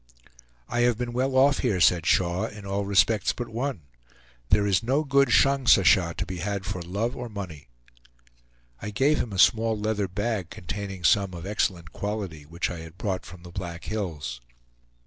"I have been well off here," said Shaw, "in all respects but one; there is no good shongsasha to be had for love or money." I gave him a small leather bag containing some of excellent quality, which I had brought from the Black Hills.